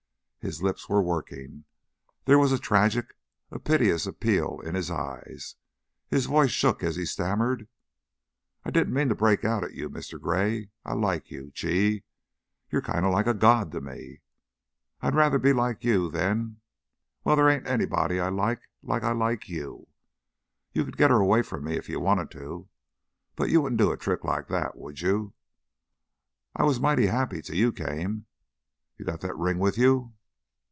His lips were working; there was a tragic, a piteous appeal in his eyes; his voice shook as he stammered: "I didn't mean to break out at you, Mr. Gray. I like you. Gee! I You're kinda like God to me. I'd ruther be like you than well, there ain't nobody I like like I like you You could get her away from me if you wanted to, but you wouldn't do a trick like that, would you? I was mighty happy till you came You got that ring with you?"